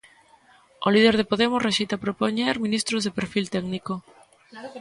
O líder de Podemos rexeita propoñer ministros de perfil técnico.